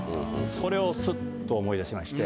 それをスッと思い出しまして。